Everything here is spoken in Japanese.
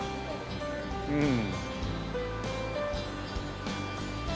うん。